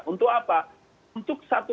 untuk apa untuk satu